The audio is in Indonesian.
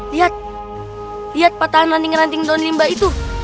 lihat lihat patahan ranting ranting daun limba itu